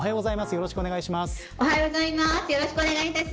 よろしくお願いします。